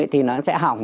thì nó sẽ hỏng